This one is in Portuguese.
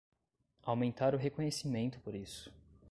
Aumentar o reconhecimento por isso